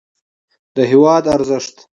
د هېواد ارزښت